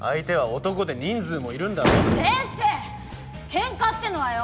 ケンカってのはよ